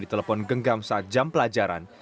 di telepon genggam saat jam pelajaran